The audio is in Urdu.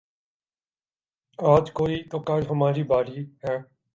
آج کوئی تو کل ہماری باری ہے